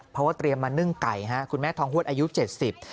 เพราะว่าเตรียมมานึ่งไก่ฮะคุณแม่ทองฮวดอายุเจ็ดสิบ